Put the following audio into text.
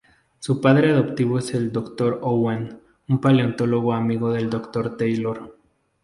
Su padre adoptivo es el Dr. Owen, un paleontólogo amigo del Dr. Taylor.